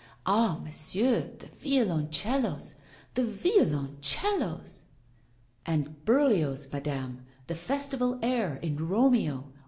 Ah! monsieur, the violoncellos, the violoncellos!' 'And Berlioz, madame, the festival air in "Romeo."